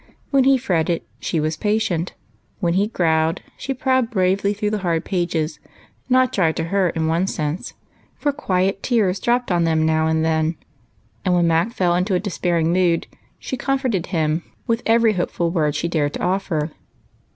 When he fret ted, she was patient ; when he growled, she ploughed bravely through the hard pages, — not dry to her in one sense, for quiet tears dropped on them now and then ; and when Mac fell into a despairing mood, she comforted him with every hopeful word she dared to offer.